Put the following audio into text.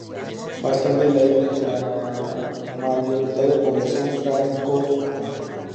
Más tarde fue la isla con mayoritaria población francófona.